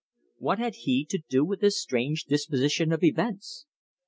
What had he to do with this strange disposition of events?